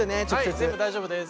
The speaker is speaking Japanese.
はい全部大丈夫です。